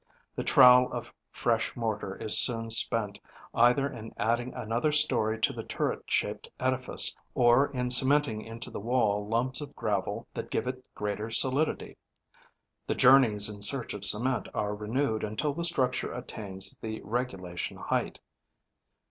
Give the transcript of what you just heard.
The trowel of fresh mortar is soon spent, either in adding another storey to the turret shaped edifice, or in cementing into the wall lumps of gravel that give it greater solidity. The journeys in search of cement are renewed until the structure attains the regulation height.